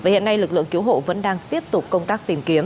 hiện nay lực lượng cứu hộ vẫn đang tiếp tục công tác tìm kiếm